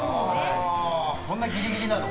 そんなギリギリなの。